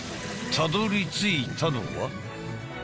たどりついたのは。